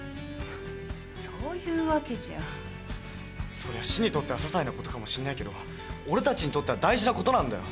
そりゃ市にとっては些細なことかもしんないけど俺たちにとっては大事なことなんだよ。